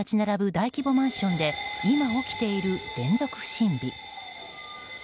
大規模マンションで今起きている連続不審火。